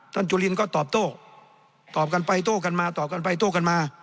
จุลินก็ตอบโต้ตอบกันไปโต้กันมาตอบกันไปโต้กันมา